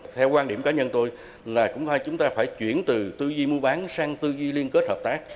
theo quan điểm cá nhân tôi là cũng phải chúng ta phải chuyển từ tư duy mua bán sang tư duy liên kết hợp tác